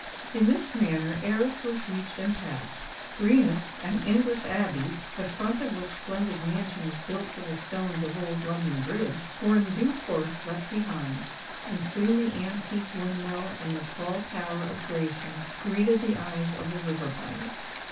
In this manner Erith was reached and passed:—Greenhithe and Ingress Abbey, the front of which splendid mansion is built with the stones of old London Bridge, were in due course left behind;—and soon the antique windmill and the tall tower of Gravesend greeted the eyes of the river pirates.